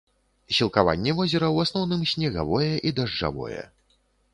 Сілкаванне возера ў асноўным снегавое і дажджавое.